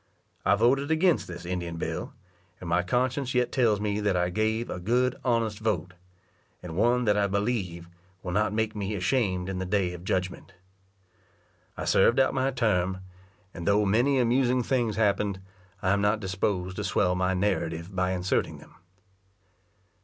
I voted against this Indian bill, and my conscience yet tells me that I gave a good honest vote, and one that I believe will not make me ashamed in the day of judgment. I served out my term, and though many amusing things happened, I am not disposed to swell my narrative by inserting them.